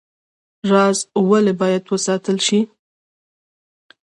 راز ولې باید وساتل شي؟